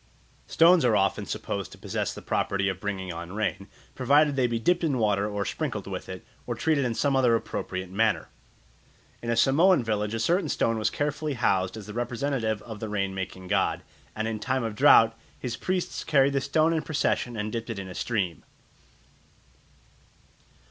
Stones are often supposed to possess the property of bringing on rain, provided they be dipped in water or sprinkled with it, or treated in some other appropriate manner. In a Samoan village a certain stone was carefully housed as the representative of the rain making god, and in time of drought his priests carried the stone in procession and dipped it in a stream.